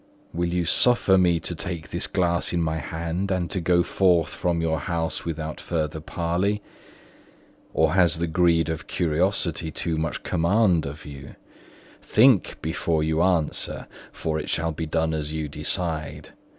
will you suffer me to take this glass in my hand and to go forth from your house without further parley? or has the greed of curiosity too much command of you? Think before you answer, for it shall be done as you decide.